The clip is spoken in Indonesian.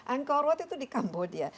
angkor wat itu di kambodia